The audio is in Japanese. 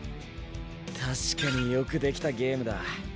確かによく出来たゲームだ。